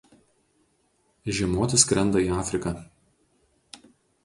Žiemoti skrenda į Afriką.